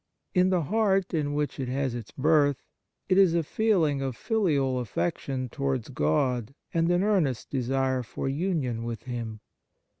In the heart in which it has its birth, it is a feeling of filial affection towards God and an earnest desire for union with Him.